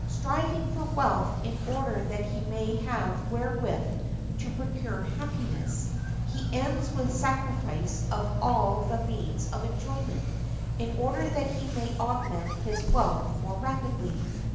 Striving for wealth in order that he may have wherewith to procure happiness, he ends with the sacrifice of all the means of enjoyment in order that he may augment his wealth more rapidly.